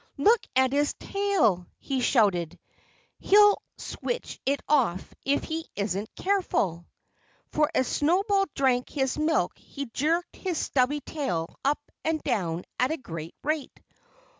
"Look at his tail!" he shouted. "He'll switch it off if he isn't careful." For as Snowball drank the milk he jerked his stubby tail up and down at a great rate.